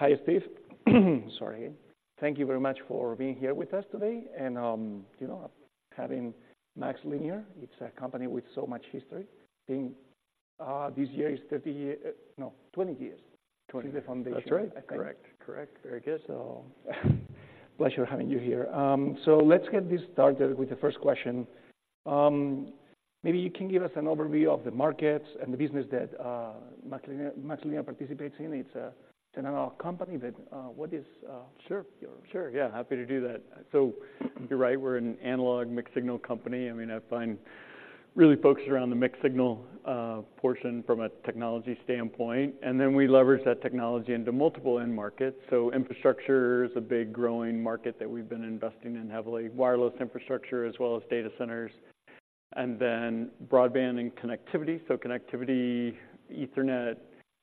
Hi, Steve. Sorry. Thank you very much for being here with us today, and, you know, having MaxLinear, it's a company with so much history. I think, this year is 30 year, no, 20 years, 20 years. since the foundation. That's right. Correct, correct. Very good. a pleasure having you here. So, let's get this started with the first question. Maybe you can give us an overview of the markets and the business that MaxLinear participates in. It's an analog company, but what is, Sure. Sure, yeah, happy to do that. So you're right, we're an analog mixed-signal company. I mean, I find really focused around the mixed-signal portion from a technology standpoint, and then we leverage that technology into multiple end markets. So infrastructure is a big, growing market that we've been investing in heavily. Wireless infrastructure as well as data centers, and then broadband and connectivity. So connectivity, Ethernet,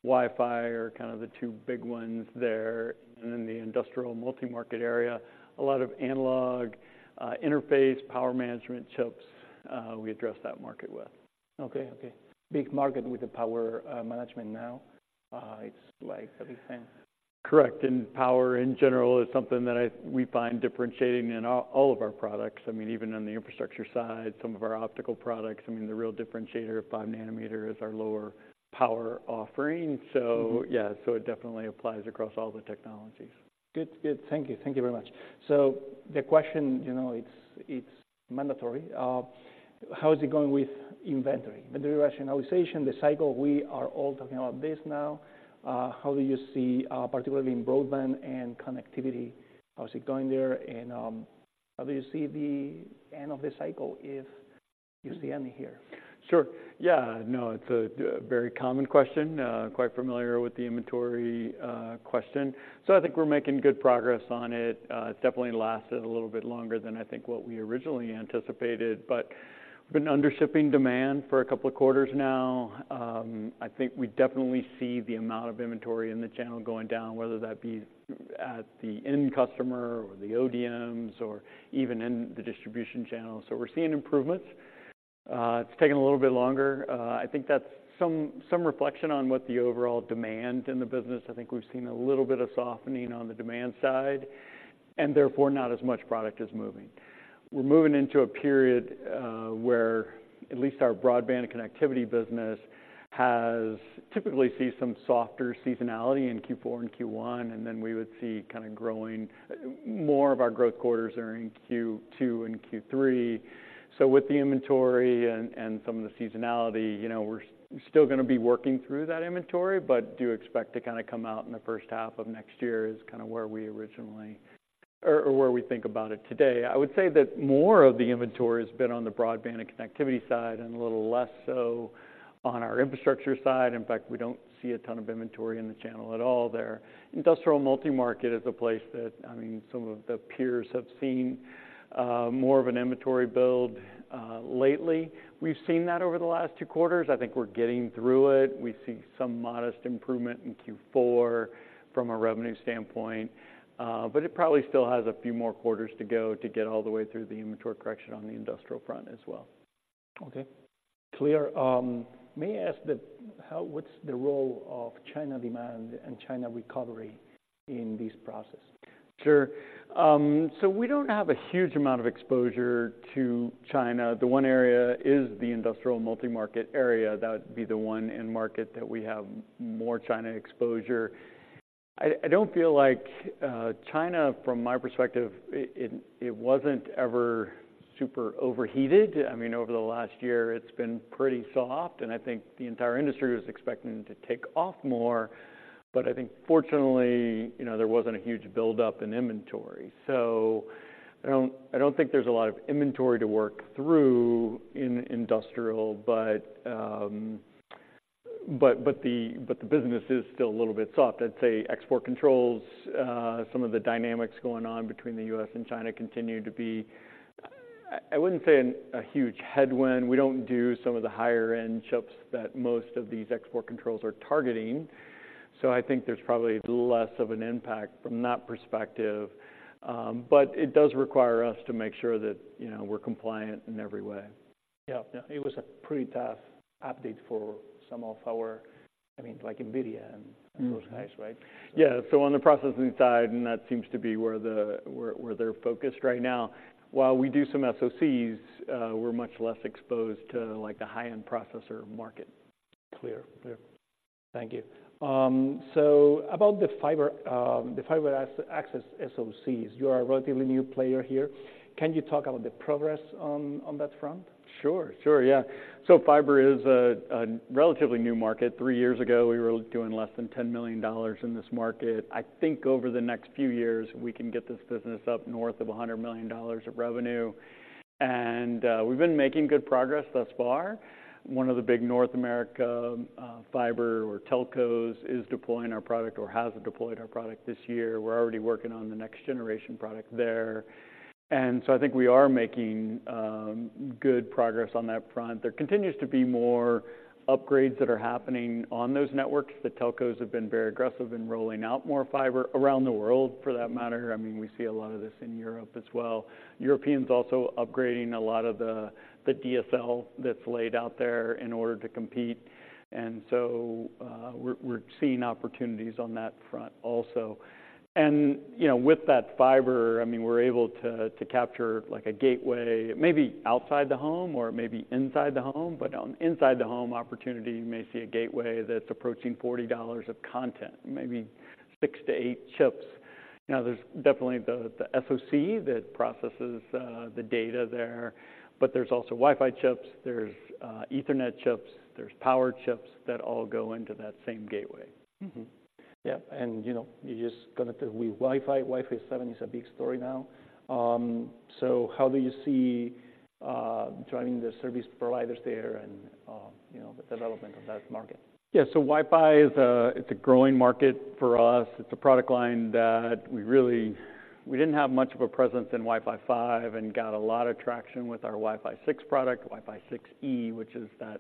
Wi-Fi, are kind of the two big ones there. And then the industrial multi-market area, a lot of analog interface, power management chips, we address that market with. Okay. Okay. Big market with the power, management now. It's like a big thing. Correct, and power, in general, is something that I, we find differentiating in all, all of our products. I mean, even on the infrastructure side, some of our optical products, I mean, the real differentiator of five nanometer is our lower power offering. Mm-hmm. So yeah, so it definitely applies across all the technologies. Good. Good. Thank you. Thank you very much. So the question, you know, it's mandatory. How is it going with inventory? Inventory rationalization, the cycle, we are all talking about this now. How do you see, particularly in broadband and connectivity, how is it going there? And, how do you see the end of the cycle, if you see end here? Sure. Yeah, no, it's a very common question. Quite familiar with the inventory question. So I think we're making good progress on it. It's definitely lasted a little bit longer than I think what we originally anticipated, but we've been under shipping demand for a couple of quarters now. I think we definitely see the amount of inventory in the channel going down, whether that be at the end customer or the ODMs or even in the distribution channel. So we're seeing improvements. It's taking a little bit longer. I think that's some reflection on what the overall demand in the business. I think we've seen a little bit of softening on the demand side, and therefore, not as much product is moving. We're moving into a period, where at least our broadband connectivity business has typically seen some softer seasonality in Q4 and Q1, and then we would see kinda growing... More of our growth quarters are in Q2 and Q3. So with the inventory and, and some of the seasonality, you know, we're still gonna be working through that inventory, but do expect to kinda come out in the first half of next year, is kinda where we originally, or, or where we think about it today. I would say that more of the inventory has been on the broadband and connectivity side and a little less so on our infrastructure side. In fact, we don't see a ton of inventory in the channel at all there. Industrial multi-market is a place that, I mean, some of the peers have seen, more of an inventory build, lately. We've seen that over the last two quarters. I think we're getting through it. We see some modest improvement in Q4 from a revenue standpoint, but it probably still has a few more quarters to go to get all the way through the inventory correction on the industrial front as well. Okay, clear. May I ask, what's the role of China demand and China recovery in this process? Sure. So we don't have a huge amount of exposure to China. The one area is the industrial multi-market area. That would be the one end market that we have more China exposure. I don't feel like China, from my perspective, it wasn't ever super overheated. I mean, over the last year, it's been pretty soft, and I think the entire industry was expecting it to take off more. But I think fortunately, you know, there wasn't a huge buildup in inventory. So I don't think there's a lot of inventory to work through in industrial, but the business is still a little bit soft. I'd say export controls, some of the dynamics going on between the U.S. and China continue to be, I wouldn't say a huge headwind. We don't do some of the higher-end chips that most of these export controls are targeting, so I think there's probably less of an impact from that perspective. But it does require us to make sure that, you know, we're compliant in every way. Yeah. Yeah. It was a pretty tough update for some of our, I mean, like NVIDIA and, Mm. those guys, right? Yeah. So on the processing side, and that seems to be where they're focused right now. While we do some SoCs, we're much less exposed to, like, the high-end processor market. Clear. Clear. Thank you. So about the fiber, the fiber access SoCs, you are a relatively new player here. Can you talk about the progress on that front? Sure. Sure, yeah. So fiber is a relatively new market. Three years ago, we were doing less than $10 million in this market. I think over the next few years, we can get this business up north of $100 million of revenue, and we've been making good progress thus far. One of the big North American fiber or Telcos is deploying our product or has deployed our product this year. We're already working on the next generation product there. And so I think we are making good progress on that front. There continues to be more upgrades that are happening on those networks. The Telcos have been very aggressive in rolling out more fiber around the world, for that matter. I mean, we see a lot of this in Europe as well. Europeans also upgrading a lot of the DSL that's laid out there in order to compete. And so, we're seeing opportunities on that front also. And, you know, with that fiber, I mean, we're able to capture like a gateway, maybe outside the home or maybe inside the home, but on inside the home opportunity, you may see a gateway that's approaching $40 of content, maybe six to eight chips. Now, there's definitely the SoC that processes the data there, but there's also Wi-Fi chips, there's Ethernet chips, there's power chips that all go into that same gateway. Mm-hmm. Yeah, and, you know, you just connected with Wi-Fi. Wi-Fi 7 is a big story now. So how do you see joining the service providers there and, you know, the development of that market? Yeah, so Wi-Fi is a growing market for us. It's a product line that we really, we didn't have much of a presence in Wi-Fi 5 and got a lot of traction with our Wi-Fi 6 product, Wi-Fi 6E, which is that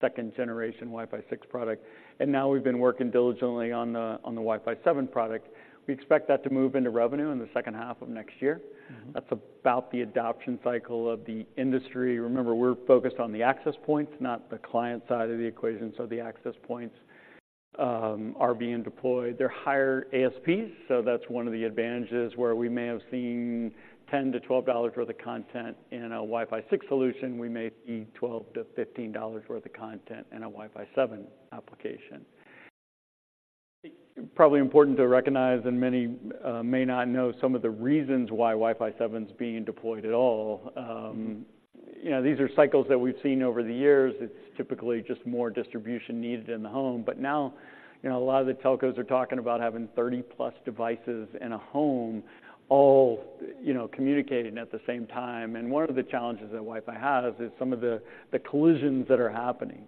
second generation Wi-Fi 6 product. And now we've been working diligently on the Wi-Fi 7 product. We expect that to move into revenue in the second half of next year. Mm-hmm. That's about the adoption cycle of the industry. Remember, we're focused on the access points, not the client side of the equation. So the access points are being deployed. They're higher ASPs, so that's one of the advantages, where we may have seen $10-$12 worth of content in a Wi-Fi 6 solution, we may see $12-$15 worth of content in a Wi-Fi 7 application. Probably important to recognize, and many may not know some of the reasons why Wi-Fi 7 is being deployed at all. You know, these are cycles that we've seen over the years. It's typically just more distribution needed in the home. But now, you know, a lot of the Telcos are talking about having 30+ devices in a home, all, you know, communicating at the same time. One of the challenges that Wi-Fi has is some of the collisions that are happening.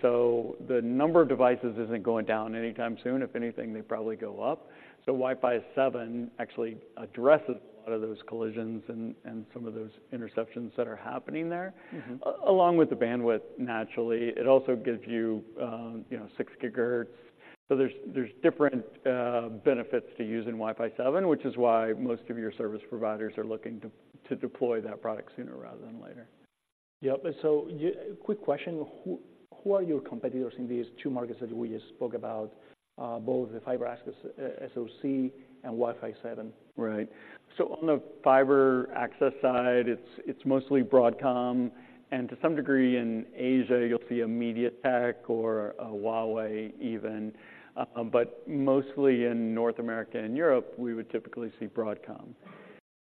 So the number of devices isn't going down anytime soon. If anything, they probably go up. Wi-Fi 7 actually addresses a lot of those collisions and some of those interceptions that are happening there. Mm-hmm. Along with the bandwidth, naturally, it also gives you, you know, 6 GHz. So there's different benefits to using Wi-Fi 7, which is why most of your service providers are looking to deploy that product sooner rather than later. Yep. So quick question. Who are your competitors in these two markets that we just spoke about, both the fiber access SoC and Wi-Fi 7? Right. So on the fiber access side, it's mostly Broadcom, and to some degree, in Asia, you'll see a MediaTek or a Huawei even. But mostly in North America and Europe, we would typically see Broadcom.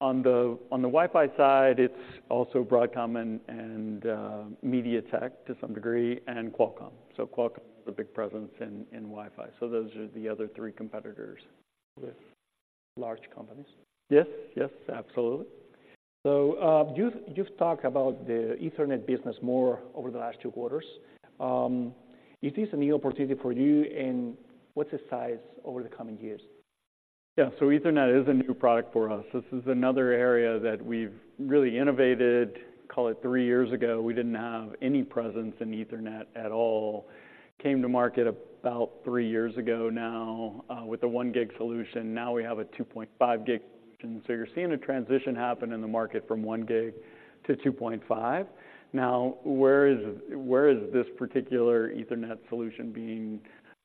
On the Wi-Fi side, it's also Broadcom and MediaTek to some degree, and Qualcomm. So Qualcomm is a big presence in Wi-Fi. So those are the other three competitors with large companies. Yes. Yes, absolutely. So, you've talked about the Ethernet business more over the last two quarters. Is this a new opportunity for you, and what's the size over the coming years? Yeah. So Ethernet is a new product for us. This is another area that we've really innovated. Call it three years ago, we didn't have any presence in Ethernet at all. Came to market about three years ago now, with a 1 gig solution. Now we have a 2.5 gig, so you're seeing a transition happen in the market from 1 gig to 2.5. Now, where is this particular Ethernet solution being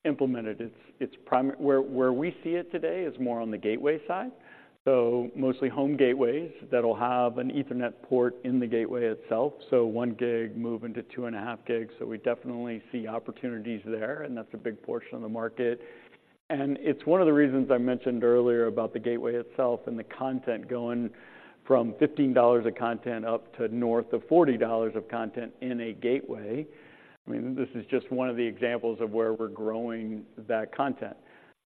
implemented? It's primarily where we see it today is more on the gateway side, so mostly home gateways that'll have an Ethernet port in the gateway itself. So 1 gig moving to 2.5 gigs, so we definitely see opportunities there, and that's a big portion of the market. And it's one of the reasons I mentioned earlier about the gateway itself and the content going from $15 of content up to north of $40 of content in a gateway. I mean, this is just one of the examples of where we're growing that content.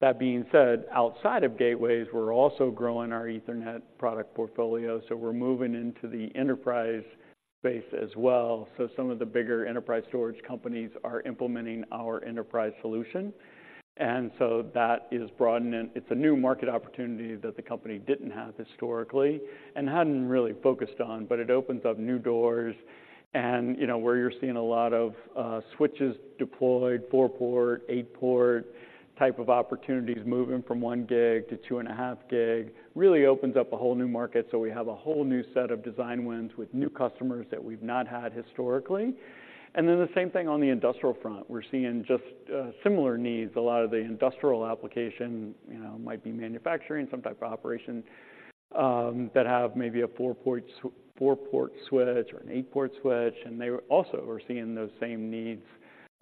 That being said, outside of gateways, we're also growing our Ethernet product portfolio, so we're moving into the enterprise space as well. So some of the bigger enterprise storage companies are implementing our enterprise solution, and so that is broadening. It's a new market opportunity that the company didn't have historically and hadn't really focused on, but it opens up new doors. And, you know, where you're seeing a lot of switches deployed, 4-port, 8-port type of opportunities, moving from 1 gig to 2.5 gig, really opens up a whole new market. So we have a whole new set of design wins with new customers that we've not had historically. And then the same thing on the industrial front. We're seeing just similar needs. A lot of the industrial application, you know, might be manufacturing, some type of operation that have maybe a four-port switch or an eight-port switch, and they also are seeing those same needs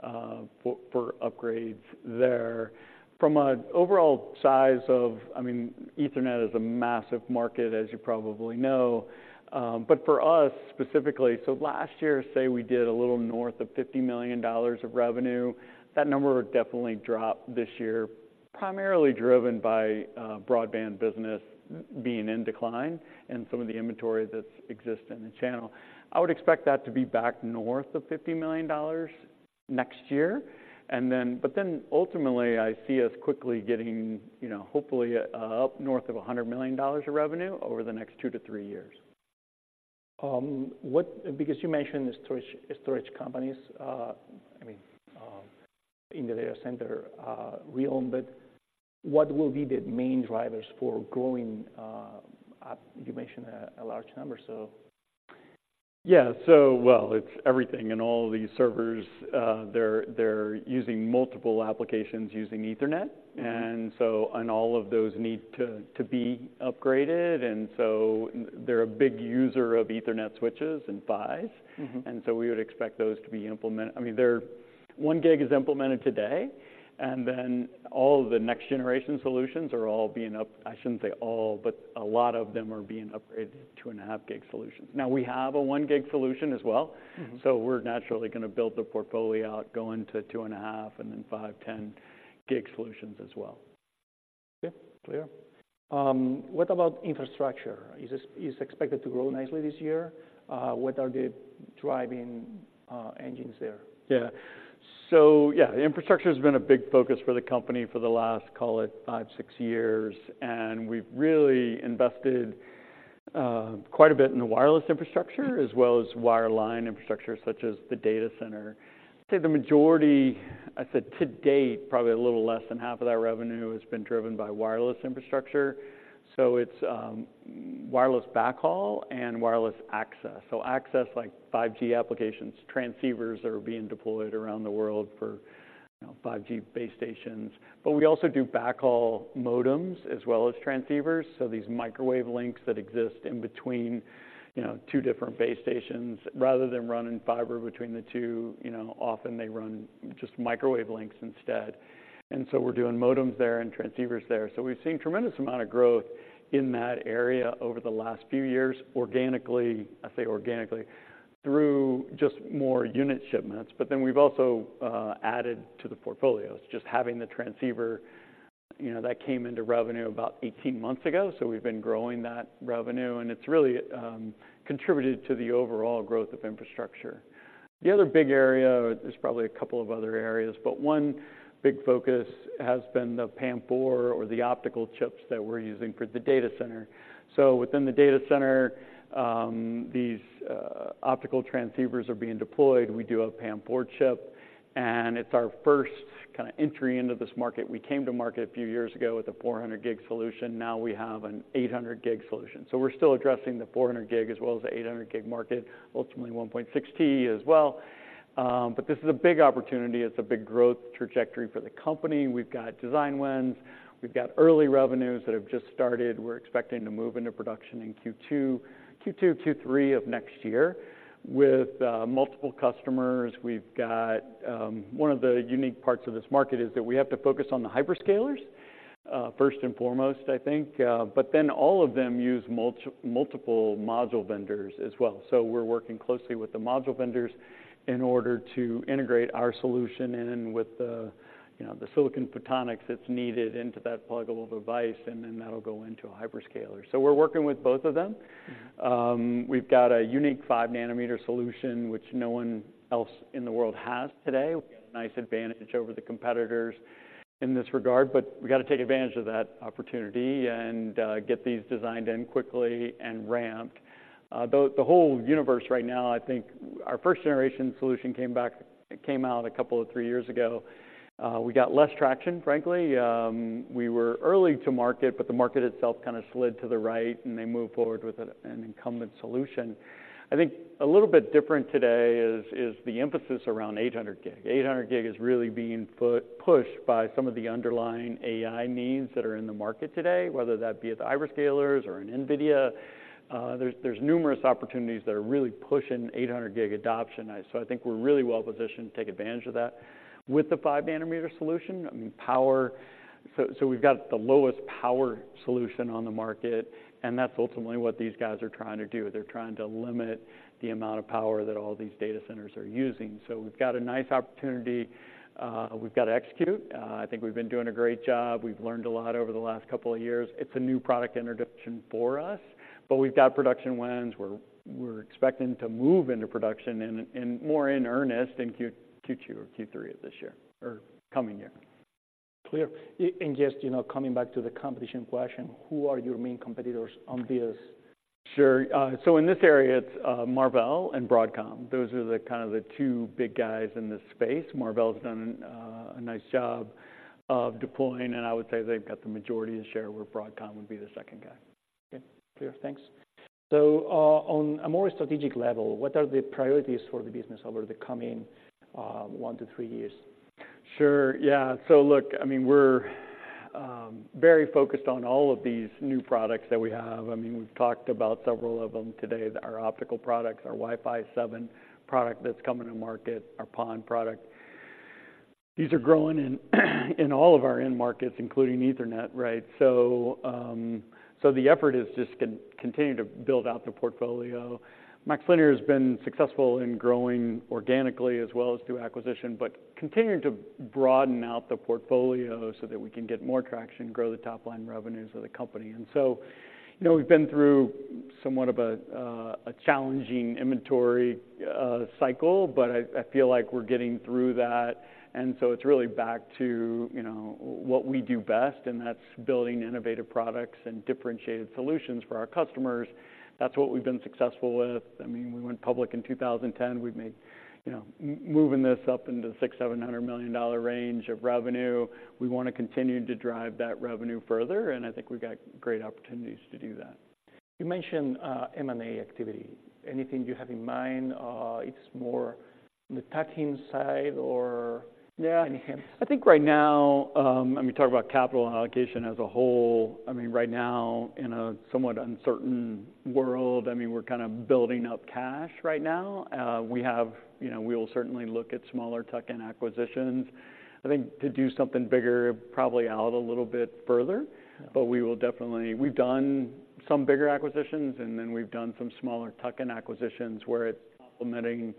for upgrades there. From an overall size of... I mean, Ethernet is a massive market, as you probably know, but for us specifically, so last year, say we did a little north of $50 million of revenue. That number would definitely drop this year, primarily driven by broadband business being in decline and some of the inventory that's exist in the channel. I would expect that to be back north of $50 million next year. Ultimately, I see us quickly getting, you know, hopefully, up north of $100 million of revenue over the next two to three years. What, because you mentioned the storage, storage companies, I mean, in the data center realm, but what will be the main drivers for growing, you mentioned a large number, so? Yeah. So, well, it's everything, and all these servers, they're using multiple applications using Ethernet. Mm-hmm. And so all of those need to be upgraded, and so they're a big user of Ethernet switches and PHYs. Mm-hmm. And so we would expect those to be implemented—I mean, they're one gig is implemented today, and then all of the next generation solutions are all being upgraded. I shouldn't say all, but a lot of them are being upgraded to 2.5 gigs solutions. Now, we have a 1 gig solution as well. Mm-hmm. We're naturally gonna build the portfolio out, going to 2.5, and then 5, 10 gig solutions as well. Okay, clear. What about infrastructure? Is this expected to grow nicely this year? What are the driving engines there? Yeah. So yeah, infrastructure has been a big focus for the company for the last, call it, five to six years. And we've really invested quite a bit in the wireless infrastructure as well as wireline infrastructure, such as the data center. I'd say the majority, I'd say to date, probably a little less than half of that revenue has been driven by wireless infrastructure. So it's wireless backhaul and wireless access. So access, like 5G applications, transceivers are being deployed around the world for, you know, 5G base stations. But we also do backhaul modems as well as transceivers, so these microwave links that exist in between, you know, two different base stations. Rather than running fiber between the two, you know, often they run just microwave links instead. And so we're doing modems there and transceivers there. So we've seen tremendous amount of growth in that area over the last few years, organically, I say organically, through just more unit shipments. But then we've also added to the portfolios, just having the transceiver, you know, that came into revenue about 18 months ago. So we've been growing that revenue, and it's really contributed to the overall growth of infrastructure. The other big area, there's probably a couple of other areas, but one big focus has been the PAM4 or the optical chips that we're using for the data center. So within the data center, these optical transceivers are being deployed. We do a PAM4 chip, and it's our first kind of entry into this market. We came to market a few years ago with a 400-gig solution. Now we have an 800-gig solution. So we're still addressing the 400-gig as well as the 800-gig market, ultimately 1.6T as well. But this is a big opportunity. It's a big growth trajectory for the company. We've got design wins. We've got early revenues that have just started. We're expecting to move into production in Q2, Q2, Q3 of next year with multiple customers. We've got one of the unique parts of this market is that we have to focus on the hyperscalers first and foremost, I think. But then all of them use multiple module vendors as well. So we're working closely with the module vendors in order to integrate our solution in with the, you know, the silicon photonics that's needed into that pluggable device, and then that'll go into a hyperscaler. So we're working with both of them. We've got a unique 5 nanometer solution, which no one else in the world has today. We've got a nice advantage over the competitors in this regard, but we've got to take advantage of that opportunity and get these designed in quickly and ramped. The whole universe right now, I think our first generation solution came out a couple of three years ago. We got less traction, frankly. We were early to market, but the market itself kind of slid to the right, and they moved forward with an incumbent solution. I think a little bit different today is the emphasis around 800 gig. 800 gig is really being pushed by some of the underlying AI needs that are in the market today, whether that be at the hyperscalers or in NVIDIA. There's numerous opportunities that are really pushing 800 gig adoption. So I think we're really well positioned to take advantage of that. With the 5 nanometer solution, I mean, power, so we've got the lowest power solution on the market, and that's ultimately what these guys are trying to do. They're trying to limit the amount of power that all these data centers are using. So we've got a nice opportunity, we've got to execute. I think we've been doing a great job. We've learned a lot over the last couple of years. It's a new product introduction for us, but we've got production wins. We're expecting to move into production in more in earnest in Q2 or Q3 of this year or coming year. Clear. Just, you know, coming back to the competition question, who are your main competitors on this? Sure. So in this area, it's Marvell and Broadcom. Those are the kind of the two big guys in this space. Marvell's done a nice job of deploying, and I would say they've got the majority of the share, where Broadcom would be the second guy. Okay, clear. Thanks. So, on a more strategic level, what are the priorities for the business over the coming, one to three years? Sure. Yeah, so look, I mean, we're very focused on all of these new products that we have. I mean, we've talked about several of them today, our optical products, our Wi-Fi 7 product that's coming to market, our PON product. These are growing in all of our end markets, including Ethernet, right? So the effort is just continuing to build out the portfolio. MaxLinear has been successful in growing organically as well as through acquisition, but continuing to broaden out the portfolio so that we can get more traction, grow the top-line revenues of the company. And so, you know, we've been through somewhat of a challenging inventory cycle, but I feel like we're getting through that. And so it's really back to, you know, what we do best, and that's building innovative products and differentiated solutions for our customers. That's what we've been successful with. I mean, we went public in 2010. We've made, you know, moving this up into $600 million-$700 million range of revenue. We want to continue to drive that revenue further, and I think we've got great opportunities to do that. You mentioned M&A activity. Anything you have in mind? It's more the tuck-in side or, Yeah. Any hint? I think right now, I mean, talk about capital allocation as a whole. I mean, right now, in a somewhat uncertain world, I mean, we're kind of building up cash right now. We have, you know, we will certainly look at smaller tuck-in acquisitions. I think to do something bigger, probably out a little bit further, but we will definitely, we've done some bigger acquisitions, and then we've done some smaller tuck-in acquisitions, where it's complementing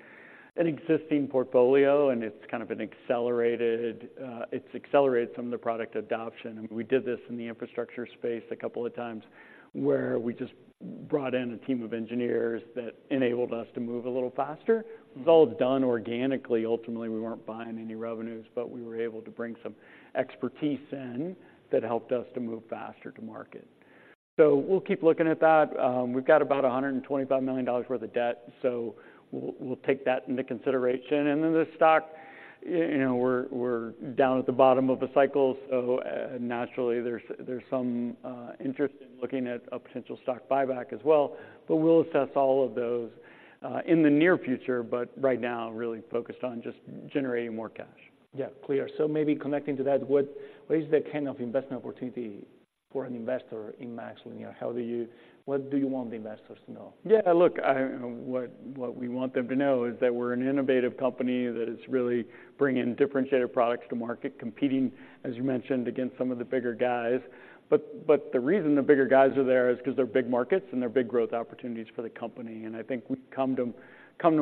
an existing portfolio, and it's kind of an accelerated, it's accelerated some of the product adoption. We did this in the infrastructure space a couple of times, where we just brought in a team of engineers that enabled us to move a little faster. It was all done organically. Ultimately, we weren't buying any revenues, but we were able to bring some expertise in that helped us to move faster to market. So we'll keep looking at that. We've got about $125 million worth of debt, so we'll take that into consideration. And then the stock, you know, we're down at the bottom of the cycle, so naturally, there's some interest in looking at a potential stock buyback as well. But we'll assess all of those in the near future, but right now, really focused on just generating more cash. Yeah, clear. So maybe connecting to that, what, what is the kind of investment opportunity for an investor in MaxLinear? How do you, what do you want the investors to know? Yeah, look, what we want them to know is that we're an innovative company that is really bringing differentiated products to market, competing, as you mentioned, against some of the bigger guys. But the reason the bigger guys are there is 'cause they're big markets, and they're big growth opportunities for the company. And I think we've come to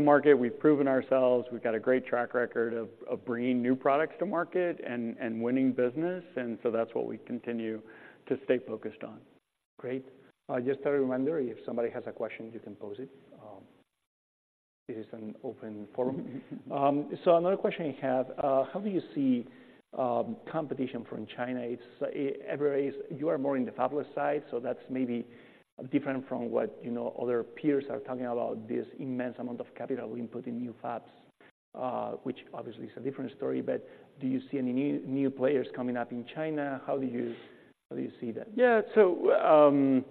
market. We've proven ourselves. We've got a great track record of bringing new products to market and winning business, and so that's what we continue to stay focused on. Great. Just a reminder, if somebody has a question, you can pose it. It is an open forum. So another question I have: How do you see competition from China? It's you are more in the fabless side, so that's maybe different from what, you know, other peers are talking about, this immense amount of capital input in new fabs, which obviously is a different story. But do you see any new players coming up in China? How do you see that? Yeah, so,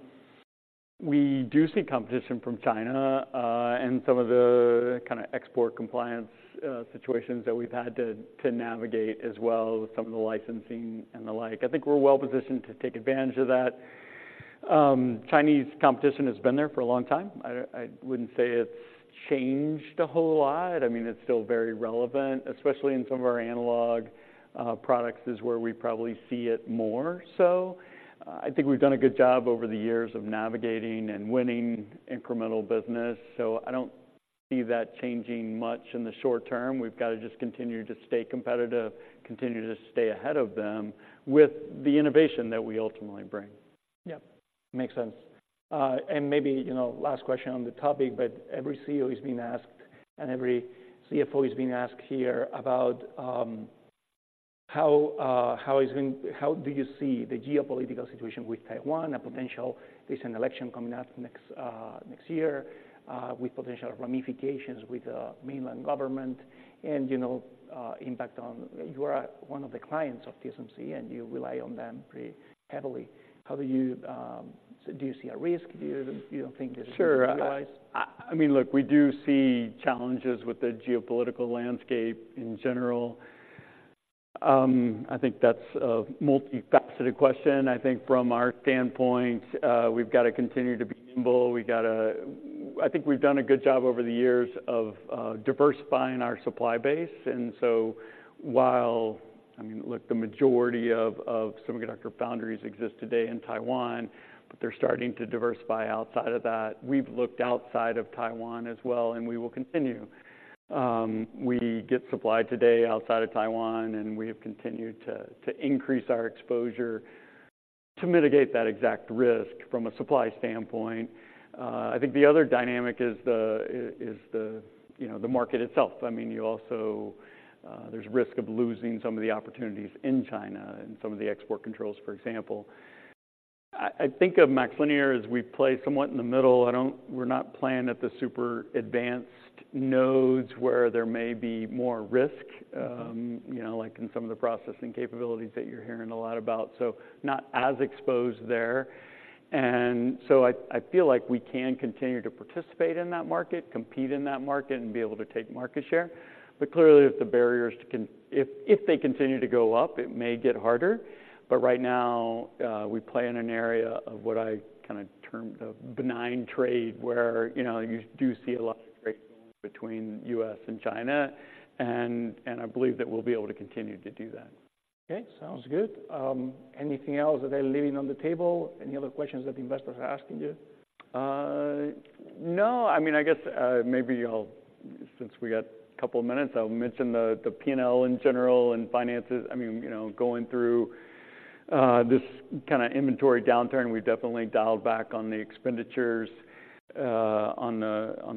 we do see competition from China, and some of the kind of export compliance situations that we've had to navigate as well, some of the licensing and the like. I think we're well-positioned to take advantage of that. Chinese competition has been there for a long time. I wouldn't say it's changed a whole lot. I mean, it's still very relevant, especially in some of our analog products, is where we probably see it more so. I think we've done a good job over the years of navigating and winning incremental business, so I don't see that changing much in the short term. We've got to just continue to stay competitive, continue to stay ahead of them with the innovation that we ultimately bring. Yeah, makes sense. And maybe, you know, last question on the topic, but every CEO is being asked, and every CFO is being asked here about how do you see the geopolitical situation with Taiwan, a potential? There's an election coming up next year with potential ramifications with the mainland government and, you know, impact on... You are one of the clients of TSMC, and you rely on them pretty heavily. How do you see a risk? Do you not think there's a risk risk-wise? Sure. I mean, look, we do see challenges with the geopolitical landscape in general. I think that's a multifaceted question. I think from our standpoint, we've got to continue to be nimble. We've got to. I think we've done a good job over the years of diversifying our supply base. And so while, I mean, look, the majority of semiconductor foundries exist today in Taiwan, but they're starting to diversify outside of that. We've looked outside of Taiwan as well, and we will continue. We get supply today outside of Taiwan, and we have continued to increase our exposure to mitigate that exact risk from a supply standpoint. I think the other dynamic is the, you know, the market itself. I mean, you also. There's risk of losing some of the opportunities in China and some of the export controls, for example. I think of MaxLinear as we play somewhat in the middle. I don't. We're not playing at the super advanced nodes where there may be more risk, you know, like in some of the processing capabilities that you're hearing a lot about, so not as exposed there. And so I feel like we can continue to participate in that market, compete in that market, and be able to take market share. But clearly, if the barriers can, if they continue to go up, it may get harder. Right now, we play in an area of what I kind of termed a benign trade, where, you know, you do see a lot of trade between U.S. and China, and I believe that we'll be able to continue to do that. Okay, sounds good. Anything else that I'm leaving on the table? Any other questions that the investors are asking you? No. I mean, I guess, maybe I'll, since we got a couple of minutes, I'll mention the P&L in general and finances. I mean, you know, going through this kind of inventory downturn, we've definitely dialed back on the expenditures on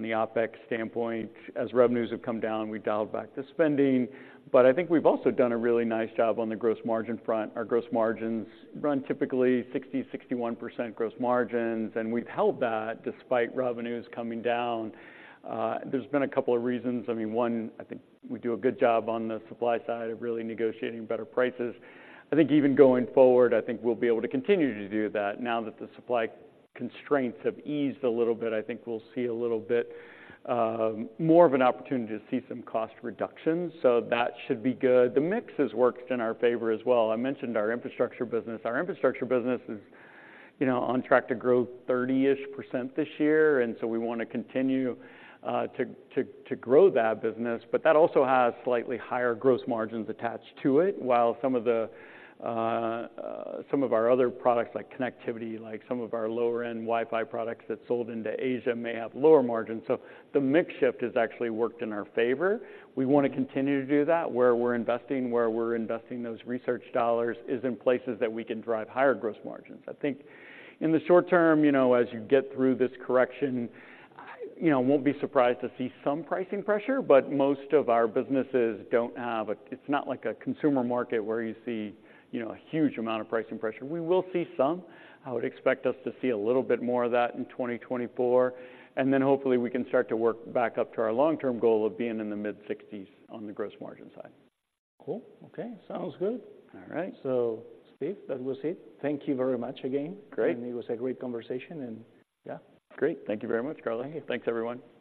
the OpEx standpoint. As revenues have come down, we've dialed back the spending, but I think we've also done a really nice job on the gross margin front. Our gross margins run typically 60%-61% gross margins, and we've held that despite revenues coming down. There's been a couple of reasons. I mean, one, I think we do a good job on the supply side of really negotiating better prices. I think even going forward, we'll be able to continue to do that. Now that the supply constraints have eased a little bit, I think we'll see a little bit more of an opportunity to see some cost reductions, so that should be good. The mix has worked in our favor as well. I mentioned our infrastructure business. Our infrastructure business is, you know, on track to grow 30-ish% this year, and so we want to continue to grow that business, but that also has slightly higher gross margins attached to it, while some of our other products, like connectivity, like some of our lower-end Wi-Fi products that sold into Asia, may have lower margins. So the mix shift has actually worked in our favor. We want to continue to do that. Where we're investing, where we're investing those research dollars is in places that we can drive higher gross margins. I think in the short term, you know, as you get through this correction, I, you know, won't be surprised to see some pricing pressure, but most of our businesses don't have. It's not like a consumer market where you see, you know, a huge amount of pricing pressure. We will see some. I would expect us to see a little bit more of that in 2024, and then hopefully we can start to work back up to our long-term goal of being in the mid-60s% on the gross margin side. Cool. Okay, sounds good. All right. Steve, that was it. Thank you very much again. Great. It was a great conversation, and yeah. Great. Thank you very much, Carlo. Thank you. Thanks, everyone.